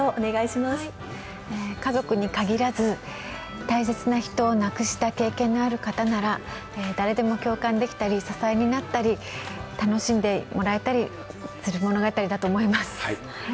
家族に限らず大切な人を亡くした経験のある方なら誰でも共感できたり、支えになったり、楽しんでもらえたりする物語だと思います。